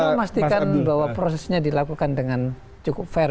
maksudnya memastikan prosesnya dilakukan dengan cukup fair